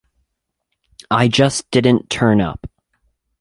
I just didn't turn up.